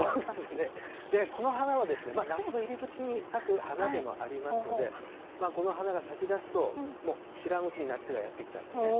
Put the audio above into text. この花は、夏の入り口に咲く花でもありますので、この花が咲きだすと、もう知らんうちに夏がやって来たってね。